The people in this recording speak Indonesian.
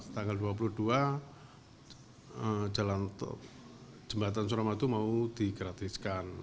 tanggal dua puluh dua jembatan suramadu mau digratiskan